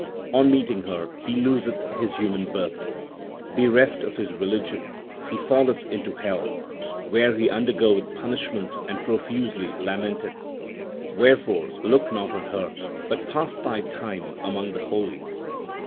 On meeting her he loseth his human birth. Bereft of his religion he falleth into hell, where he undergoeth punishment and profusely lamenteth. Wherefore look not on her, but pass thy time among the holy.